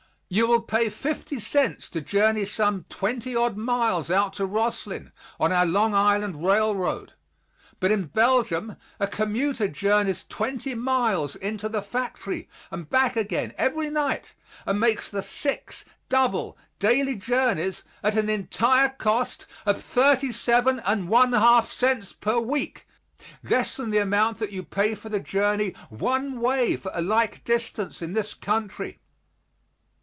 You will pay 50 cents to journey some twenty odd miles out to Roslyn, on our Long Island railroad, but in Belgium a commuter journeys twenty miles in to the factory and back again every night and makes the six double daily journeys at an entire cost of 37 1/2 cents per week, less than the amount that you pay for the journey one way for a like distance in this country.